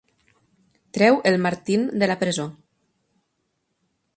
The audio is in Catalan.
Treu el Martin de la presó!